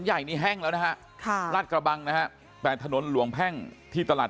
ใหญ่นี้แห้งแล้วนะฮะค่ะลาดกระบังนะฮะแต่ถนนหลวงแพ่งที่ตลาด